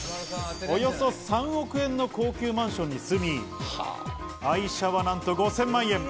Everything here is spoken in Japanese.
およそ３億円の高級マンションに住み、愛車はなんと５０００万円。